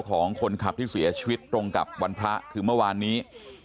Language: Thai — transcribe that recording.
ของคนขับที่เสียชีวิตตรงกับวันพระคือเมื่อวานนี้